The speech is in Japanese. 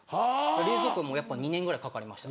冷蔵庫も２年ぐらいかかりました。